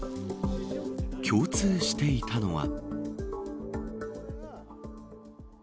共通していたのは。